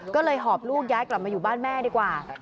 ก็เลยหอบลูกย้ายกลับมาอยู่บ้านแม่ดีกว่า